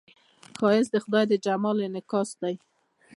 ښایست د خدای د جمال انعکاس دی